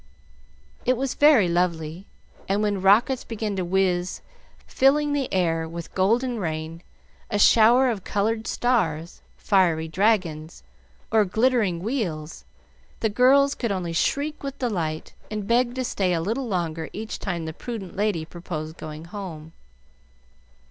It was very lovely; and when rockets began to whizz, filling the air with golden rain, a shower of colored stars, fiery dragons, or glittering wheels, the girls could only shriek with delight, and beg to stay a little longer each time the prudent lady proposed going home.